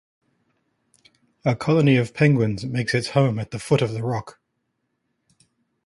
A colony of penguins makes its home at the foot of the rock.